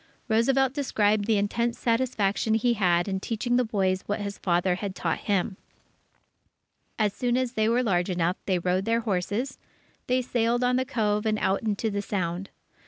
Roosevelt described the intense satisfaction he had in teaching the boys what his father had taught him. As soon as they were large enough, they rode their horses, they sailed on the Cove and out into the Sound.